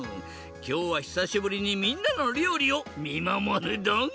きょうはひさしぶりにみんなのりょうりをみまもるドン！